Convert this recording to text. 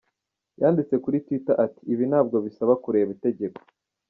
Yanditse kuri Twitter ati “Ibi ntabwo bisaba kureba itegeko.